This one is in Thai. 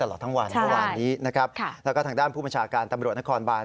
ตลอดทั้งวันเมื่อวานนี้นะครับแล้วก็ทางด้านผู้บัญชาการตำรวจนครบาน